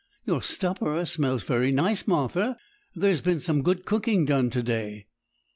'Your supper smells very nice, Martha; there has been some good cooking done to day.'